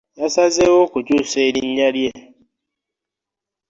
Yasazewo okukyusa erinnya lye.